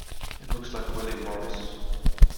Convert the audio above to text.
It looks like a William Morris.